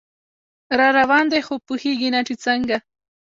راروان دی خو پوهیږي نه چې څنګه